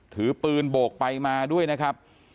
ถือปืนโบกไปมาด้วยนะครับ